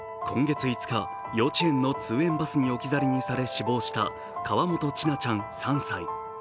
今月５日、幼稚園の通園バスに置き去りにされ死亡した河本千奈ちゃん、３歳。